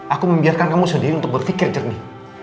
aku membiarkan kamu sendiri untuk berpikir jernih